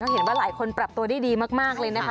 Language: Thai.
เห็นว่าหลายคนปรับตัวได้ดีมากเลยนะคะ